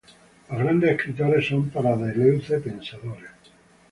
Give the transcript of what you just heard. Los grandes escritores son para Deleuze pensadores.